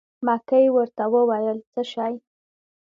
مکۍ ورته وویل: څه شی.